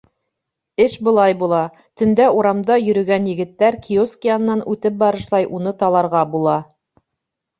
Эш былай була: төндә урамда йөрөгән егеттәр киоск янынан үтеп барышлай уны таларға була.